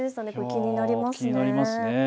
気になりますね。